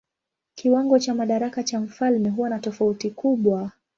Kiwango cha madaraka cha mfalme huwa na tofauti kubwa.